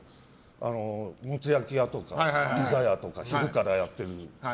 もつ焼き屋とかピザ屋とか昼からやってる。